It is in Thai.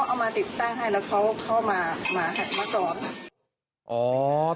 เขาเอามาติดตั้งให้แล้วเขาก็เข้ามาแทรกมัศดร